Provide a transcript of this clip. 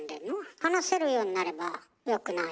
話せるようになればよくない？